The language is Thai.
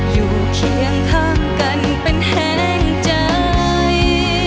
เคียงข้างกันเป็นแห้งใจ